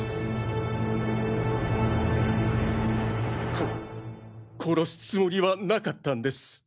こ殺すつもりはなかったんです。